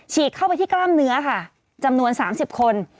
เข้าไปที่กล้ามเนื้อค่ะจำนวน๓๐คน